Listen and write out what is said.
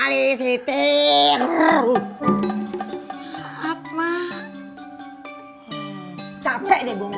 kalau gua tau udah beritanya mak